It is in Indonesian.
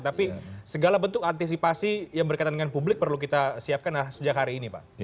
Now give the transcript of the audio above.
tapi segala bentuk antisipasi yang berkaitan dengan publik perlu kita siapkan sejak hari ini pak